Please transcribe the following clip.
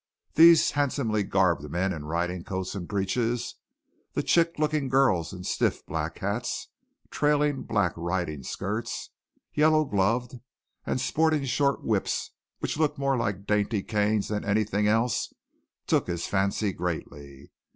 These handsomely garbed men in riding coats and breeches; the chic looking girls in stiff black hats, trailing black riding skirts, yellow gloved, and sporting short whips which looked more like dainty canes than anything else, took his fancy greatly.